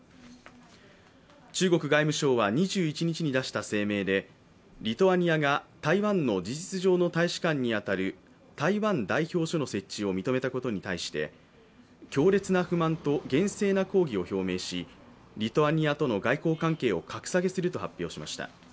中国外務省は２１日に出した声明でリトアニアが台湾の事実上の大使館に当たる台湾代表処の設置を認めたことに対して強烈な不満と厳正な抗議を表明しリトアニアとの外交関係を格下げすると発表しました。